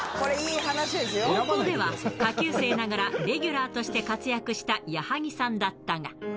高校では、下級生ながらレギュラーとして活躍した矢作さんだったが。